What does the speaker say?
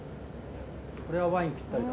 これはワインぴったりだ。